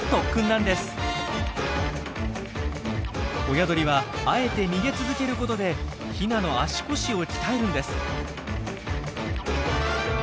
親鳥はあえて逃げ続けることでヒナの足腰を鍛えるんです。